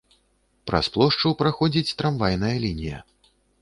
Праз плошчу праходзіць трамвайная лінія.